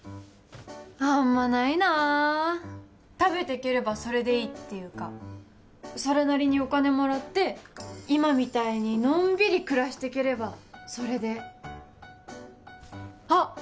あんまないなあ食べていければそれでいいっていうかそれなりにお金もらって今みたいにのんびり暮らしていければそれであっ！